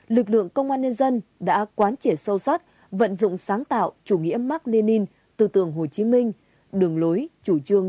lực lượng công an nhân dân đã quán triệt sâu sắc vận dụng sáng tạo chủ nghĩa mark lenin tư tưởng hồ chí minh đường lối chủ trương